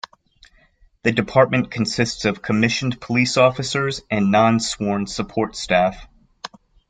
The department consists of commissioned Police Officers and non-sworn support staff.